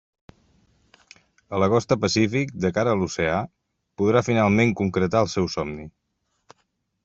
A la costa Pacífic, de cara a l'oceà, podrà finalment concretar el seu somni.